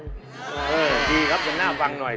ดีครับอย่างน่าฟังหน่อย